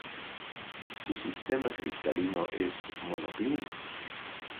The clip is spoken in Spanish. Su sistema cristalino es monoclínico.